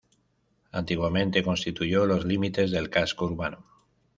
Antiguamente constituyó los límites del casco urbano.